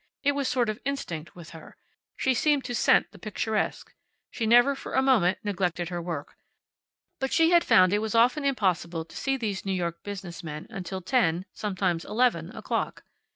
It was a sort of instinct with her. She seemed to scent the picturesque. She never for a moment neglected her work. But she had found it was often impossible to see these New York business men until ten sometimes eleven o'clock.